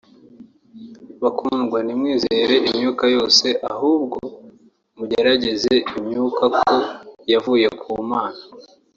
Bakundwa ntimwizere imyuka yose ahubwo mugerageze imyuka ko yavuye ku Mana